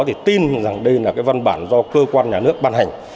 thì tin rằng đây là cái văn bản do cơ quan nhà nước ban hành